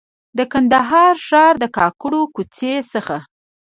د کندهار ښار د کاکړو کوڅې څخه.